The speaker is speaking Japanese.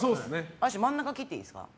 私、真ん中を切ってもいいですか。